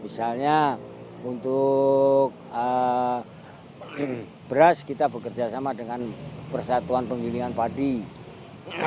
misalnya untuk bawang merah dan cabai merah kita bekerja sama dengan produsen produsen atau gabungan kelompok tanih bawang dan cabai